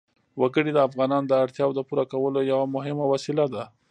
وګړي د افغانانو د اړتیاوو د پوره کولو یوه مهمه وسیله ده.